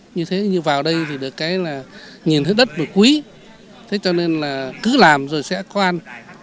như thế như vào đây thì được cái là nhìn thấy đất mà quý thế cho nên là cứ làm rồi sẽ có ăn